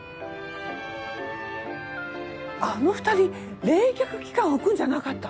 あの２人冷却期間置くんじゃなかった？